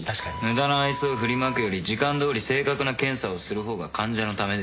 無駄な愛想を振りまくより時間どおり正確な検査をする方が患者のためです。